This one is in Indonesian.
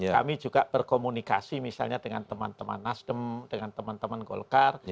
kami juga berkomunikasi misalnya dengan teman teman nasdem dengan teman teman golkar